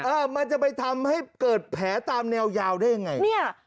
มันจะไปทำให้เกิดแผลตามแนวยาวได้ยังไงเนี่ย